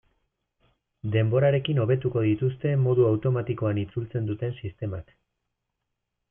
Denborarekin hobetuko dituzte modu automatikoan itzultzen duten sistemak.